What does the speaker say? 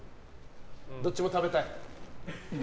どっちも食べたい？